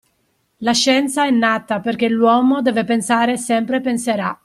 La scienza è nata perché l'uomo deve pensare e sempre penserà